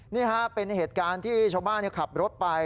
นี่ฮะเป็นเหตุการณ์ที่ชาวบ้านขับรถไป